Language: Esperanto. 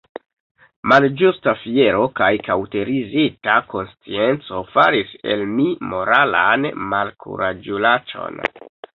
Malĝusta fiero kaj kaŭterizita konscienco faris el mi moralan malkuraĝulaĉon.